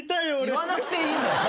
言わなくていいんだよ。